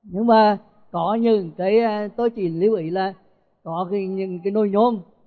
nhưng mà có những cái tôi chỉ lưu ý là có những cái nôi nhôm